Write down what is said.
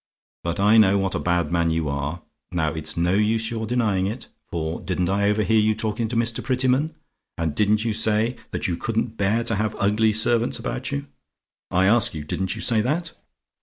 But I know what a bad man you are now, it's no use your denying it; for didn't I overhear you talking to Mr. Prettyman, and didn't you say that you couldn't bear to have ugly servants about you? I ask you, didn't you say that?